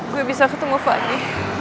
gue bisa ketemu fadi